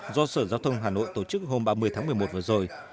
do sở giao thông hà nội tổ chức hôm ba mươi tháng một mươi một vừa rồi